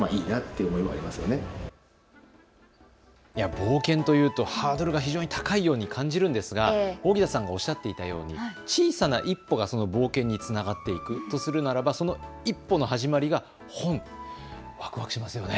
冒険というとハードルが非常に高いように感じるんですがおっしゃってたように小さな一歩が冒険につながっていくとするならばその一歩の始まりが本、わくわくしますよね。